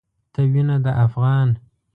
ته وينه د افغان